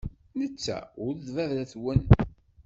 Netta ur d baba-twen.